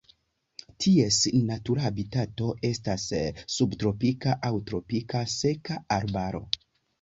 Ties natura habitato estas subtropika aŭ tropika seka arbaro.